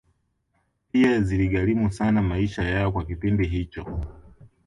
Pia ziligharimu sana maisha yao kwa kipindi hicho